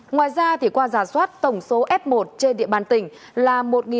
ngoài ra qua giả soát tổng số f một trên địa bàn tỉnh là một ba trăm chín mươi hai